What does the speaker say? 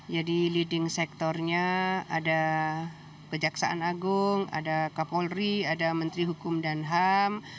jadi leading sektornya ada kejaksaan agung ada kapolri ada menteri hukum dan ham